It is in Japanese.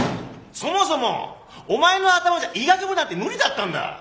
そもそもお前の頭じゃ医学部なんて無理だったんだ。